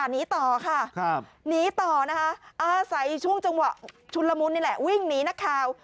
นะคะอ่าใส่ช่วงจังหวะชุนละมุนนี่แหละวิ่งหนีนักข่าว